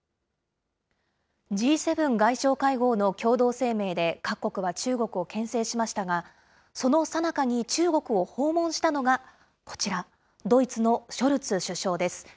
Ｇ７外相会合の共同声明で各国は中国をけん制しましたが、そのさなかに中国を訪問したのがこちら、ドイツのショルツ首相です。